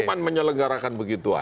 cuman menyelenggarakan begitu aja